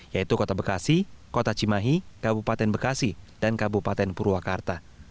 yaitu kota bekasi kota cimahi kabupaten bekasi dan kabupaten purwakarta